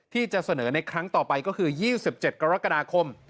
ที่จะเสนอในครั้งต่อไปก็คือ๒๗กรกฎาคม